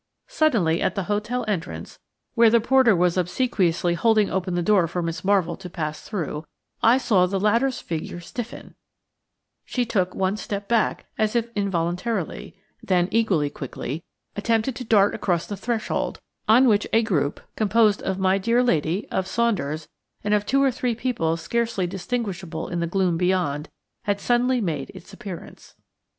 Suddenly, at the hotel entrance, where the porter was obsequiously holding open the door for Miss Marvell to pass through, I saw the latter's figure stiffen; she took one step back as if involuntarily, then, equally quickly, attempted to dart across the threshold, on which a group–composed of my dear lady, of Saunders, and of two or three people scarcely distinguishable in the gloom beyond–had suddenly made its appearance.